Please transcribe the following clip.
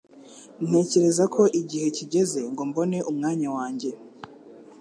Ntekereza ko igihe kigeze ngo mbone umwanya wanjye